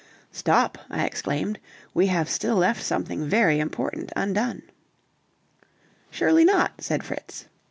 "Stop!" I exclaimed, "we have still left something very important undone." "Surely not," said Fritz.